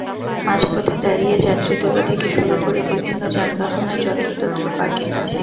মাঝপথে দাঁড়িয়ে যাত্রী তোলা থেকে শুরু করে বিভিন্ন যানবাহনের যত্রতত্র পার্কিং আছেই।